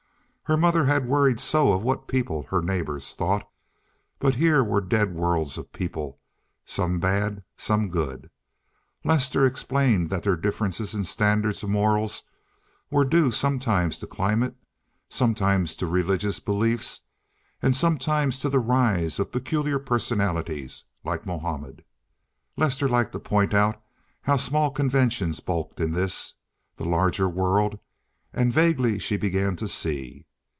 Her mother had worried so of what people—her neighbors—thought, but here were dead worlds of people, some bad, some good. Lester explained that their differences in standards of morals were due sometimes to climate, sometimes to religious beliefs, and sometimes to the rise of peculiar personalities like Mohammed. Lester liked to point out how small conventions bulked in this, the larger world, and vaguely she began to see.